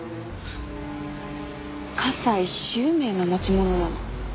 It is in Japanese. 加西周明の持ち物なの。